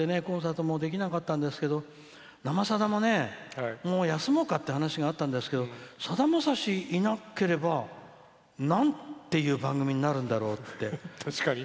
コンサートもできなかったんですけど「生さだ」も休もうかって話があったんですけどさだまさし、いなければなんていう番組になるんだろうって。